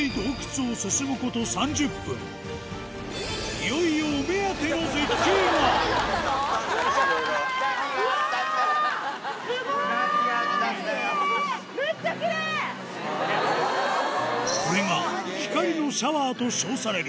いよいよお目当ての絶景がこれが「光のシャワー」と称される